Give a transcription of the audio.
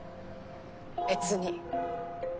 別に。